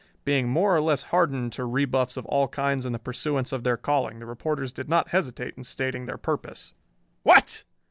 Being more or less hardened to rebuffs of all kinds in the pursuance of their calling, the reporters did not hesitate in stating their purpose. "What?"